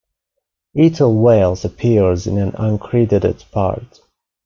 Ethel Wales appears in an uncredited part.